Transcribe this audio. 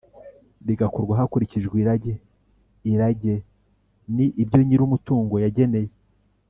rigakorwa hakurikijwe irage. irage ni ibyo nyiri umutungo yageneye